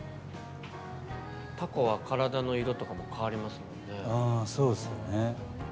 タコは体の色とかも変わりますもんね。